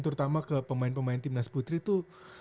terutama ke pemain pemain timnas putri itu